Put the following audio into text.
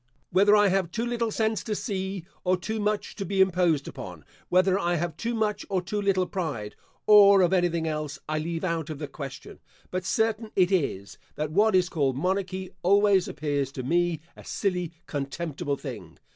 Whether I have too little sense to see, or too much to be imposed upon; whether I have too much or too little pride, or of anything else, I leave out of the question; but certain it is, that what is called monarchy, always appears to me a silly, contemptible thing.